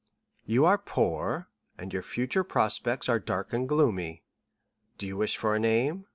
"'You are poor, and your future prospects are dark and gloomy. Do you wish for a name?